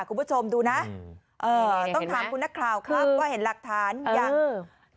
คุณผู้ชมดูนะเอ่อต้องถามคุณนักข่าวครับว่าเห็นหลักฐานยังเออ